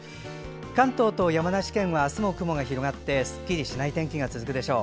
関東と山梨県はあすも雲が広がってすっきりしない天気が続くでしょう。